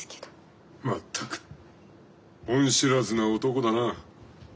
全く恩知らずな男だな。